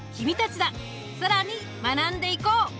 更に学んでいこう！